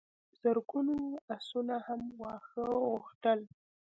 زرګونو آسونو هم واښه غوښتل.